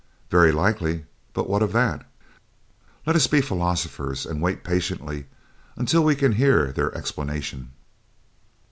"Very likely; but what of that?" "Let us be philosophers, and wait patiently until we can hear their explanation."